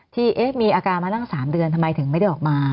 ที่มีอาการมาตั้ง๓เดือนทำไมถึงไม่ได้ออกมา